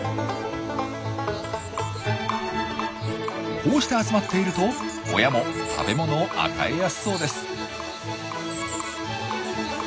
こうして集まっていると親も食べ物を与えやすそうです。